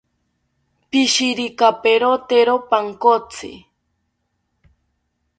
Pishirikaperotero pankotzi